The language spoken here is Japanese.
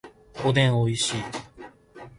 おでんおいしい